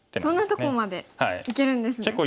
そんなとこまでいけるんですね。